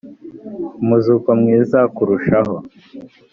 umuzuko mwiza kurushaho